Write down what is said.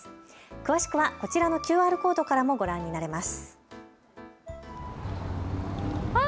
詳しくはこちらのＱＲコードからもご覧になれます。